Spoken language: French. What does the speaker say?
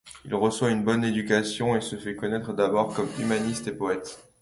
Il reçoit une bonne éducation et se fait connaître d'abord comme humaniste et poète.